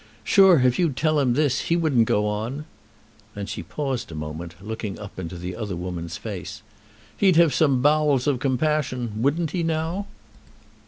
Sure, if you'd tell him this, he wouldn't go on!" Then she paused a moment, looking up into the other woman's face. "He'd have some bowels of compassion; wouldn't he now?"